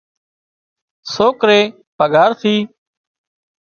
سوڪرئي پگھار ٿِي